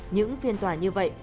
những phiên tòa như vậy